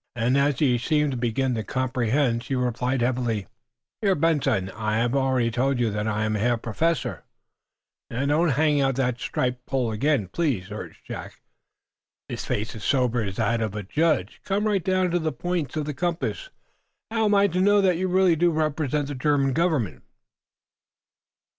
Then, as he seemed to begin to comprehend, he replied, heavily: "Herr Benson, I have already told you that I am Herr Professor " "Now, don't hang out the striped pole again, please," urged Jack, his face as sober as that of a judge. "Come right down to the points of the compass. How am I to know that you really do represent the German government?"